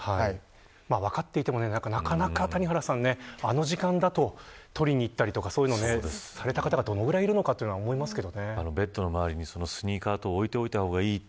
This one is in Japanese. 分かっていてもなかなか谷原さん、あの時間だと取りに行ったり、そういうのをされた方がどれぐらいいるのかとまだ始めてないの？